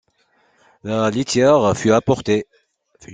La litière fut apportée